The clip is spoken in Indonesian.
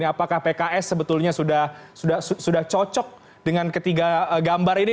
apakah pks sebetulnya sudah cocok dengan ketiga gambar ini